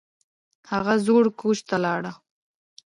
هغه زوړ کوچ ته لاړه